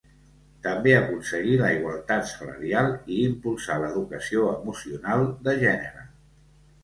També aconseguir la igualtat salarial i impulsar l’educació emocional de gènere.